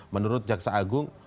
menurut jaksa agung